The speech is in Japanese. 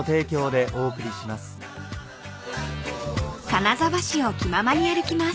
［金沢市を気ままに歩きます］